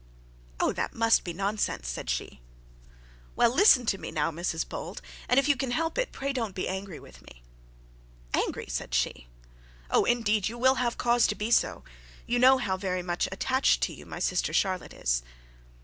'Oh, that must be nonsense,' said she. 'Well, listen to me now, Mrs Bold; and if you can help it, pray don't be angry with me.' 'Angry!' said she. 'Oh, indeed you will have cause to do so. You know how very much attached to you my sister Charlotte is.'